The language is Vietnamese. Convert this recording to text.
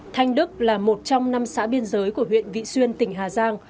thanh đức là một trong năm xã biên giới của huyện vị xuyên tỉnh hà giang